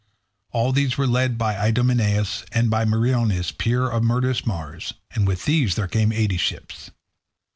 All these were led by Idomeneus, and by Meriones, peer of murderous Mars. And with these there came eighty ships.